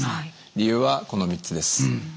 理由はこの３つです。